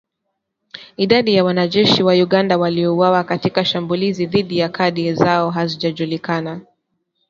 Idadi ya wanajeshi wa Uganda waliouawa katika shambulizi dhidi ya kambi zao haijajulikana